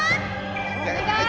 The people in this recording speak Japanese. お願い！